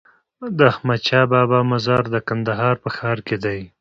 د احمدشاهبابا مزار د کندهار په ښار کی دی